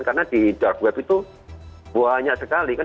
karena di dark web itu banyak sekali kan